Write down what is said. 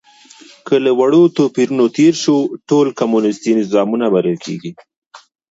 که له وړو توپیرونو تېر شو، ټول کمونیستي نظامونه بلل کېږي.